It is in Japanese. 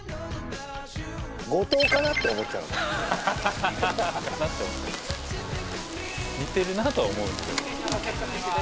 後藤かなって思っちゃうハハハハ確かに似てるなとは思うんすけど・